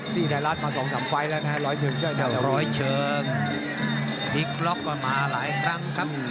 ที่ไทยรัฐมาตั้งแต่๒๓ไฟล์แล้วนะฮะร้อยเฉิง